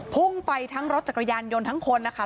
พุ่งไปทั้งรถจักรยานยนต์ทั้งคนนะคะ